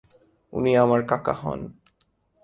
উনি আমার কাকা হন।